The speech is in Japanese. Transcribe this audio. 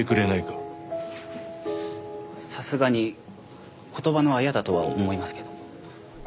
さすがに言葉のあやだとは思いますけど。